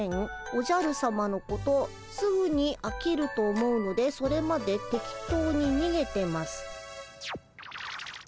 おじゃるさまのことすぐにあきると思うのでそれまで適当ににげてます」。